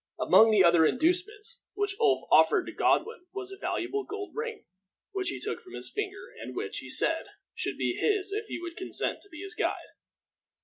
Among the other inducements which Ulf offered to Godwin was a valuable gold ring, which he took from his finger, and which, he said, should be his if he would consent to be his guide.